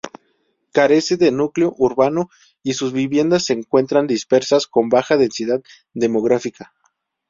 Carece de núcleo urbano y sus viviendas se encuentran dispersas con baja densidad demográfica.